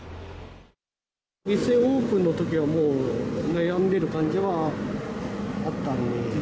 店オープンのときは、もう悩んでる感じはあったので。